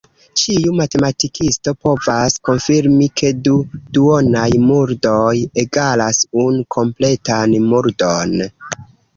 Ĉiu matematikisto povas konfirmi ke du duonaj murdoj egalas unu kompletan murdon.